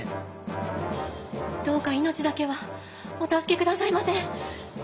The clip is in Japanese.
どうか命だけはお助け下さいませ。